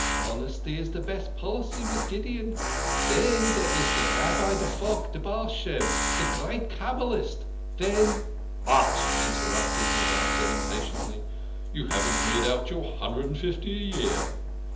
Honesty is de best policy with Gideon. Den dere is Rabbi de Falk, de Baal Shem de great Cabbalist. Yen "" But," interrupted Manasseh impatiently, " you haven't made out your hundred and fifty a year."